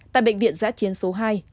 tại bệnh viện giã chiến số hai